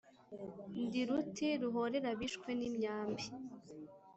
ndi ruti ruhorera abishwe n'imyambi.